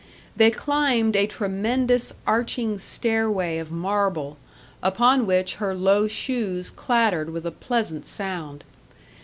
They climbed a tremendous arching stairway of marble, upon which her low shoes clattered with a pleasant sound.